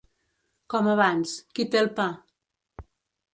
Com abans: qui té el pa?